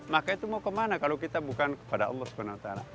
maka itu mau kemana kalau kita bukan kepada allah swt